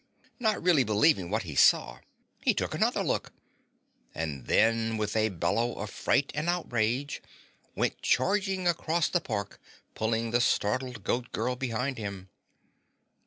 Not really believing what he saw, he took another look, and then, with a bellow of fright and outrage went charging across the park pulling the startled Goat Girl behind him.